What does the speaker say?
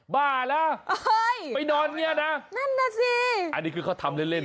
บ้าล่ะเฮ้ยไปนอนเงี้ยนะนั่นแหละสิอันนี้คือเขาทำเล่นเล่นนะ